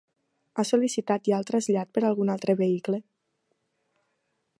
Ha sol·licitat ja el trasllat per algun altre vehicle?